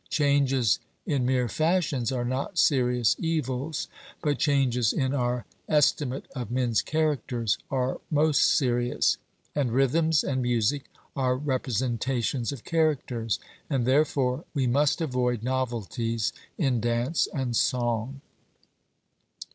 Changes in mere fashions are not serious evils, but changes in our estimate of men's characters are most serious; and rhythms and music are representations of characters, and therefore we must avoid novelties in dance and song.